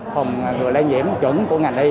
phòng người lây nhiễm chuẩn của ngành y